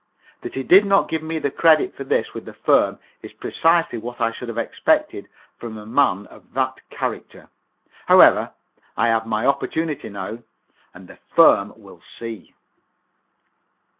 That he did not give me the credit for this with the firm is precisely what I should have expected from a man of that character. However, I have my opportunity now, and the firm will see.